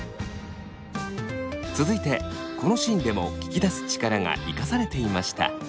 続いてこのシーンでも聞き出す力が生かされていました。